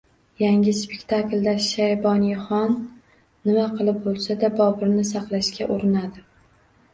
Yangi spektaklda Shayboniyxon nima qilib bo‘lsa-da, Boburni saqlashga urinadi.